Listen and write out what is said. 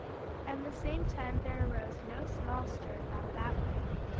And the same time there arose no small stir about that way.